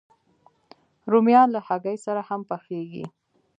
رومیان له هګۍ سره هم پخېږي